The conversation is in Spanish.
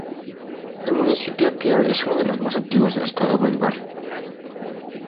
El municipio Piar es uno de los más antiguos del estado Bolívar.